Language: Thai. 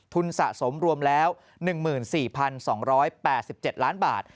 สะสมรวมแล้ว๑๔๒๘๗ล้านบาท